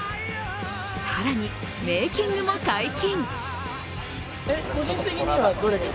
更に、メーキングも解禁。